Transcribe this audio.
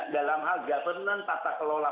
dalam hal governance tata kelola